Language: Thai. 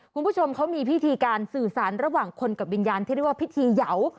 คุณผู้ชมเขามีพิธีการสื่อสารระหว่างคนกับวิญญาณที่เรียกว่าพิธีเหยาว